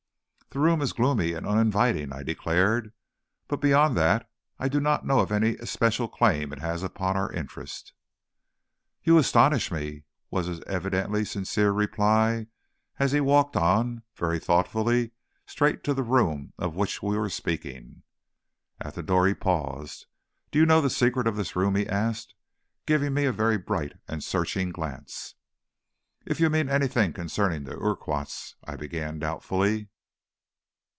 "The room is gloomy and uninviting," I declared; "but beyond that, I do not know of any especial claim it has upon our interest." "You astonish me," was his evidently sincere reply; and he walked on, very thoughtfully, straight to the room of which we were speaking. At the door he paused. "Don't you know the secret of this room," he asked, giving me a very bright and searching glance. "If you mean anything concerning the Urquharts," I began doubtfully.